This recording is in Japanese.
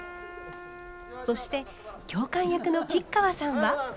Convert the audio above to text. そして教官役の吉川さんは。